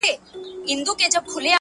o دا سرګم د خوږې میني شیرین ساز دی,